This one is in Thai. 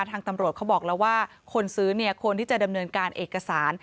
ทางตำรวจเขาบอกแล้วว่าคนซื้อเนี่ยควรที่จะดำเนินการเอกสาร